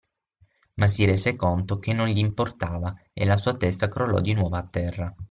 Ma si rese conto che non gli importava e la sua testa crollò di nuovo a terra.